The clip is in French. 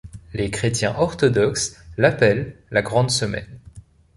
Les chrétiens orthodoxes l'appellent la Grande Semaine.